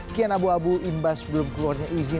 kian abu abu imbas belum keluarnya izin